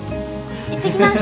行ってきます。